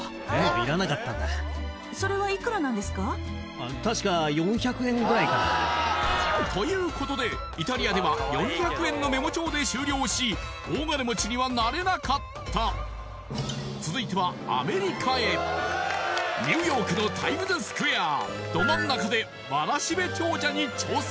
あと聞かれてということでイタリアでは４００円のメモ帳で終了し大金持ちにはなれなかった続いてはアメリカへニューヨークのタイムズスクエアど真ん中でわらしべ長者に挑戦